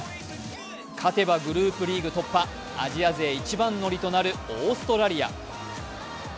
勝てばグループリーグ突破アジア勢一番乗りとなるオーストラリア。